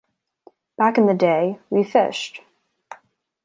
Back in the day, we fished.